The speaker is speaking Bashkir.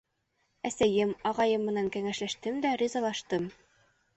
Әсәйем, ағайым менән кәңәшләштем дә ризалаштым.